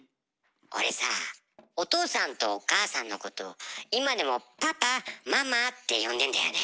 俺さあお父さんとお母さんのことを今でもパパママって呼んでんだよね。